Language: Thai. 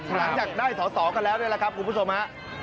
ถ้าอยากได้สอบกันแล้วด้วยล่ะครับคุณผู้ชมค่ะ